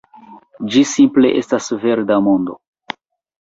Ĝi simple estas verda mondo